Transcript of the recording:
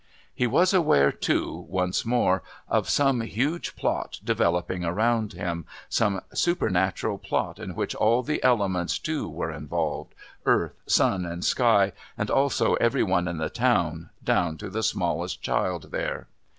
He was aware, too, once more, of some huge plot developing around him, some supernatural plot in which all the elements too were involved earth, sun and sky, and also every one in the town, down to the smallest child there.